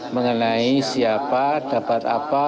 mengenai siapa dapat apa